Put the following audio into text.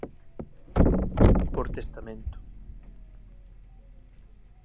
Por testamento.